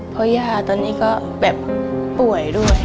เพราะย่าตอนนี้ก็แบบป่วยด้วย